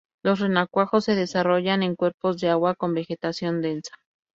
Los renacuajos se desarrollan en cuerpos de agua con vegetación densa.